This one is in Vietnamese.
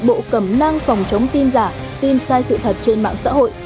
bộ cẩm nang phòng chống tin giả tin sai sự thật trên mạng xã hội